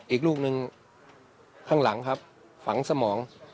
อีกลูกหนึ่งข้างหลังครับฝังสมอง